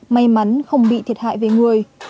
may mắn không bị thiệt hại về người